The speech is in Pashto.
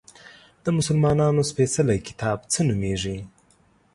د مسلمانانو سپیڅلی کتاب څه نومیږي؟